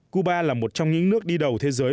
cuba là một trong những nước đi đầu thế giới